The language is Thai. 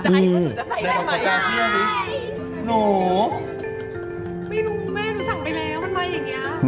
ไม่รู้แม่หนูสั่งไปแล้วว่าไหนอย่างนี้